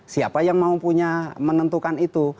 siapa yang mau punya menentukan itu